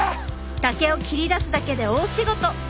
竹を切り出すだけで大仕事。